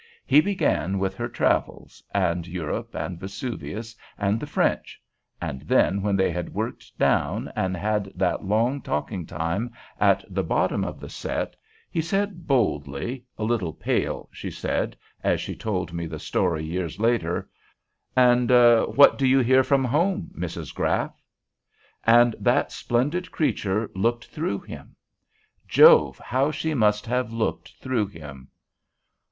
He began with her travels, and Europe, and Vesuvius, and the French; and then, when they had worked down, and had that long talking time at the bottom of the set, he said boldly, a little pale, she said, as she told me the story years after, "And what do you hear from home, Mrs. Graff?" And that splendid creature looked through him. Jove! how she must have looked through him!